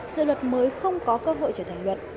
dự luật mới không có cơ hội trở thành luật